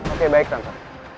oke baik tante